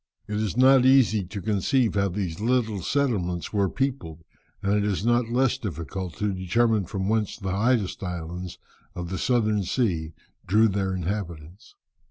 It is not easy to conceive how these little settlements were peopled, and it is not less difficult to determine from whence the highest islands of the Southern Sea drew their inhabitants."